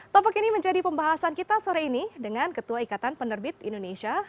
topik ini menjadi pembahasan kita sore ini dengan ketua ikatan penerbit indonesia